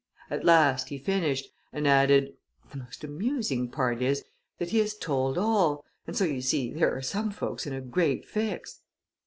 At last he finished, and added, 'The most amusing part is, that he has told all, and so, you see, there are some folks in a great fix.